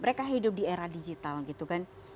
mereka hidup di era digital gitu kan